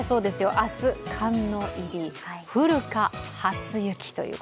明日、寒の入り、降るか初雪。